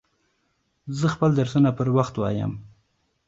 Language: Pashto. زه خپل درسونه پر وخت وایم.